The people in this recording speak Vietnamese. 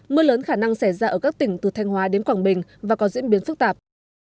mưa lớn khả năng xảy ra ở các tỉnh từ thanh hóa đến quảng bình và có diễn biến phức tạp